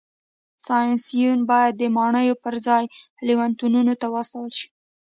سیاسیون باید د ماڼیو پرځای لېونتونونو ته واستول شي